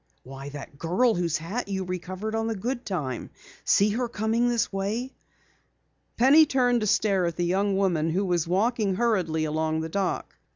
"Why, that girl whose hat you recovered on the Goodtime. See her coming this way?" Penny turned to stare at the young woman who was walking hurriedly along the dock.